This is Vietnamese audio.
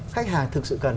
khách hàng thực sự cần